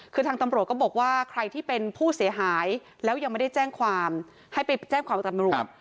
คือทางตำรวจก็บอกว่าใครที่เป็นผู้เสียหายแล้วยังไม่ได้แจ้งความให้ไปแจ้งความกับตำรวจ